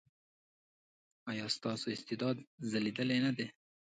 ایا ستاسو استعداد ځلیدلی نه دی؟